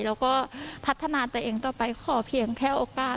แล้วก็พัฒนาตัวเองต่อไปขอเพียงแค่โอกาส